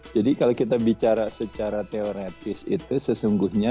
jadi kalau kita bicara secara teoretis itu sesungguhnya